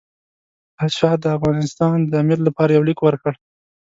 پاشا د افغانستان د امیر لپاره یو لیک ورکړ.